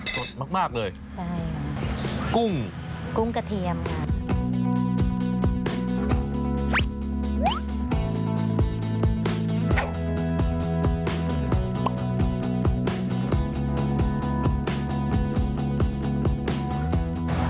สดมากเลยคุ้มกุ้งกุ้งกระเทียมครับ